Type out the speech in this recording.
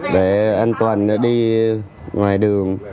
để an toàn đi ngoài đường